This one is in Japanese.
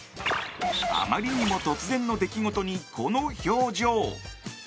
あまりにも突然の出来事にこの表情。